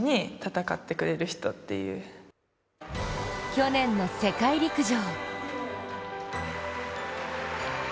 去年の世界陸上。